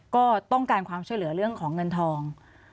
ก็ต้องการความช่วยเหลือเรื่องของเงินทอง